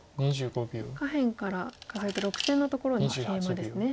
下辺から数えて６線のところにケイマですね。